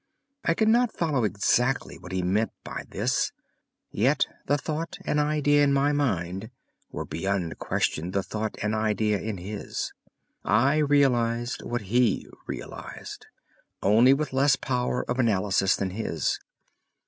I could not follow exactly what he meant by this, yet the thought and idea in my mind were beyond question the thought and idea in his. I realized what he realized, only with less power of analysis than his.